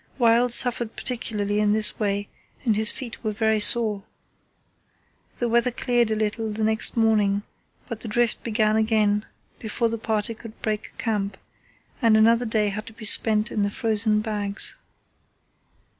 Wild suffered particularly in this way and his feet were very sore. The weather cleared a little the next morning, but the drift began again before the party could break camp, and another day had to be spent in the frozen bags.